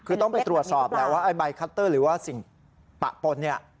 คือต้องไปตรวจสอบแล้วว่าใบคัตเตอร์หรือว่าสิ่งปะปน